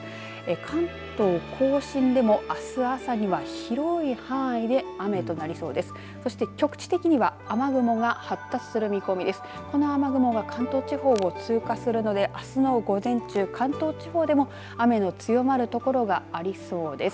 関東甲信でもあす朝には広い範囲で雨となりそうです